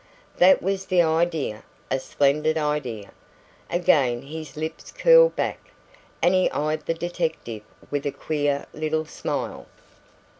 That was the idea, a splendid idea! Again his lips curled back, and he eyed the detective with a queer little smile.